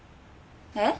えっ？